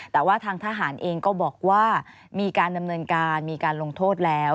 แต่ว่าทางทหารเองก็บอกว่ามีการดำเนินการมีการลงโทษแล้ว